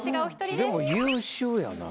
でも優秀やなぁ。